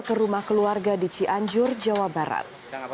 ke rumah keluarga di cianjur jawa barat